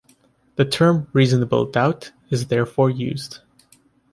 The term "reasonable doubt" is therefore used.